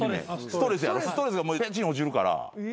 ストレスがペチン落ちるから。